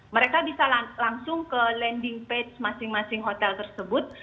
mereka bisa langsung ke landing page masing masing hotel tersebut